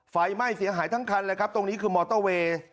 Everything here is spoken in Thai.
ไฟไหม้เสียหายทั้งคันเลยครับตรงนี้คือมอเตอร์เวย์